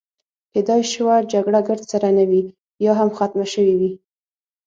کیدای شوه جګړه ګرد سره نه وي، یا هم ختمه شوې وي.